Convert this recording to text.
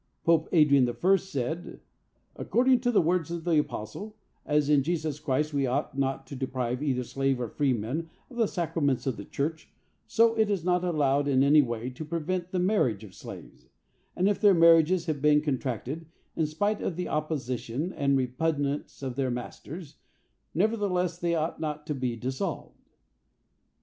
Pope Adrian I. said, "According to the words of the apostle, as in Jesus Christ we ought not to deprive either slaves or freemen of the sacraments of the church so it is not allowed in any way to prevent the marriage of slaves; and if their marriages have been contracted in spite of the opposition and repugnance of their masters, nevertheless they ought not to be dissolved." St.